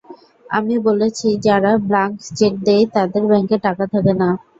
আমি বলেছি, যারা ব্লাংক চেক দেয়, তাদের ব্যাংকে টাকা থাকে না।